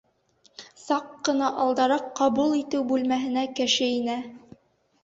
Саҡ ҡына алдараҡ ҡабул итеү бүлмәһенә кеше инә.